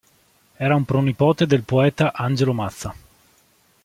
Era un pronipote del poeta Angelo Mazza.